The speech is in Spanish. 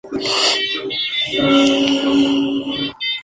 Así, necesitó pocos ensayos para la secuencia.